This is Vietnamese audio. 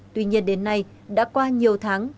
tuy nhiên đến nay đã qua nhiều tháng